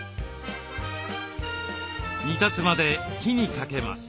煮立つまで火にかけます。